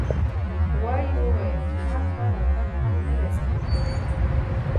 غوایي وویل چې ما ستا راتګ هم نه دی احساس کړی.